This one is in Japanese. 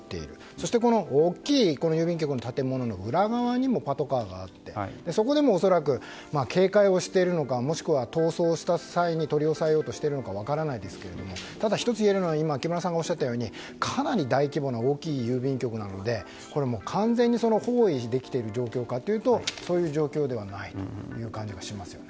そして大きい郵便局の建物の裏側にもパトカーがあってそこでも恐らく警戒をしているのかもしくは逃走した際に取り押さえようとしているのか分からないですがただ１つ言えるのは今木村さんがおっしゃったようにかなり大規模な大きい郵便局なので完全に包囲できている状況かというとそういう状況ではないという感じがしますよね。